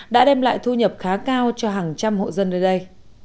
đã đem lại thu nhập khá cao cho hàng trăm hộ dân nơi đây